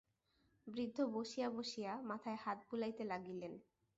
বৃদ্ধ বসিয়া বসিয়া মাথায় হাত বুলাইতে লাগিলেন।